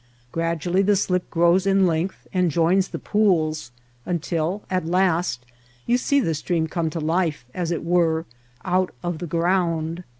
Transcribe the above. Gradually the slip grows in length and joins the pools, until at last you see the stream come to life, as it were, out of the ground.